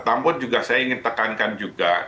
namun juga saya ingin tekankan juga